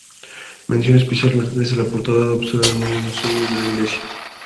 Mención especial merece la portada, adosada al muro sur de la iglesia.